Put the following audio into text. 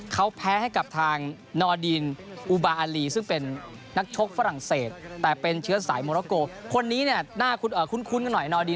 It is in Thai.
เขาแพ้ให้กับทางนอดีนอุบาอารีซึ่งเป็นนักชกฝรั่งเศสแต่เป็นเชื้อสายโมโรโกคนนี้เนี่ยน่าคุ้นกันหน่อยนอดี